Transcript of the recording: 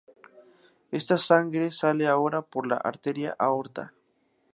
Esta sangre sale ahora por la arteria aorta.